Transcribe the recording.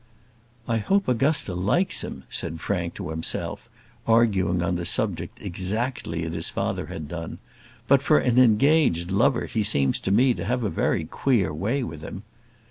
"I hope Augusta likes him," said Frank to himself, arguing on the subject exactly as his father had done; "but for an engaged lover he seems to me to have a very queer way with him."